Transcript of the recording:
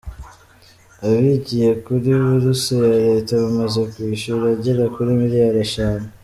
Abigiye kuri buruse ya Leta bamaze kwishyura agera kuri miliyali eshanu